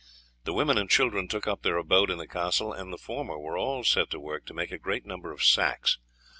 The women and children took up their abode in the castle, and the former were all set to work to make a great number of sacks.